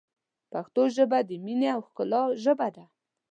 پښتو ژبه ، د مینې او ښکلا ژبه ده.